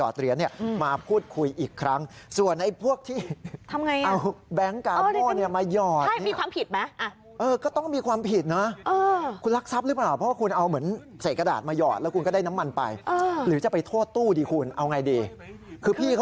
เปลี่ยนไปเพียง๒เจือ๓เจือ